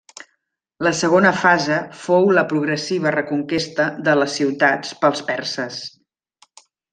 La segona fase fou la progressiva reconquesta de les ciutats pels perses.